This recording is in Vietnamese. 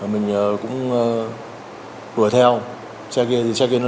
mình cũng đuổi theo xe kia thì xe kia nó